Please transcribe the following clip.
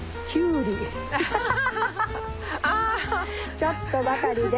「ちょっとばかりです